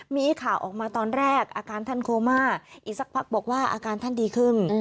มีข่าวออกมาตอนแรกอาการท่านโคม่าอีกสักพักบอกว่าอาการท่านดีขึ้น